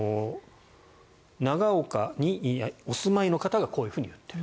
長岡にお住まいの方がこういうふうに言っている。